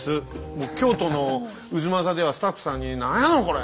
もう京都の太秦ではスタッフさんに「なんやのこれ！